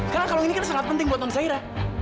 karena kalung ini kan sangat penting buat non zahira